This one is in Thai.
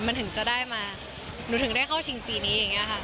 มันถึงจะได้มาหนูถึงได้เข้าชิงปีนี้อย่างนี้ค่ะ